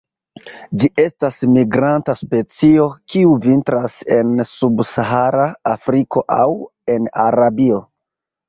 Ĝi estas migranta specio, kiu vintras en subsahara Afriko aŭ en Arabio.